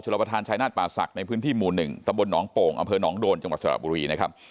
บรรทานชายนาฏปาสักในพื้นที่หมู่หนึ่งตะบลหนองปงที่